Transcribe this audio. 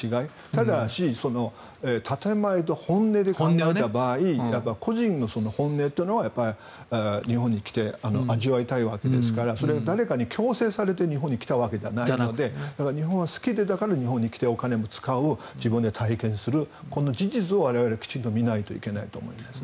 ただし、建前と本音で考えた場合個人の本音というのは日本に来て味わいたいわけですからそれは誰かに強制されて日本に来たわけじゃないので日本は好きでだから日本に来てお金も使う自分で体験するこの事実をきちんと我々は見ないといけないと思いますね。